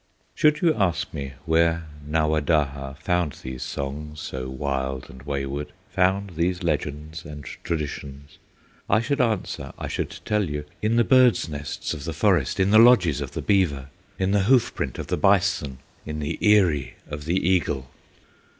Should you ask where Nawadaha Found these songs so wild and wayward, Found these legends and traditions, I should answer, I should tell you, "In the bird's nests of the forest, In the lodges of the beaver, In the hoofprint of the bison, In the eyry of the eagle!